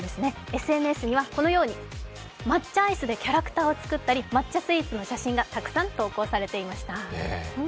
ＳＮＳにはこのように抹茶アイスでキャラクターを作ったり、抹茶スイーツの写真がたくさん投稿されていました。